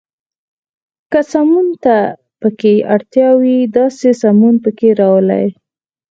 که سمون ته پکې اړتیا وي، داسې سمون پکې راولئ.